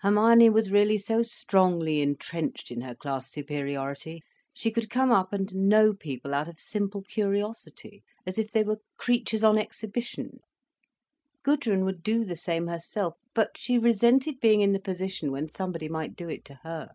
Hermione was really so strongly entrenched in her class superiority, she could come up and know people out of simple curiosity, as if they were creatures on exhibition. Gudrun would do the same herself. But she resented being in the position when somebody might do it to her.